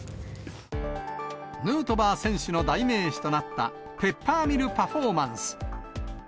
ヌートバー選手の代名詞となった、ペッパーミルパフォーマンス。